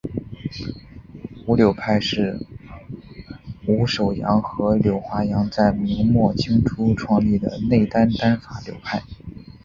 伍柳派是伍守阳和柳华阳在明末清初创立的内丹丹法流派。